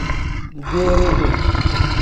Dideere-duu.